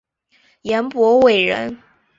颜伯玮人。